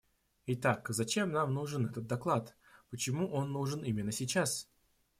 Итак, зачем нам нужен этот доклад, почему он нужен именно сейчас?